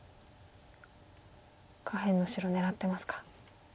下辺の白狙ってますか。